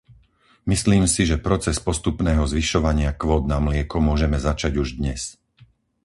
Myslím si, že proces postupného zvyšovania kvót na mlieko môžeme začať už dnes.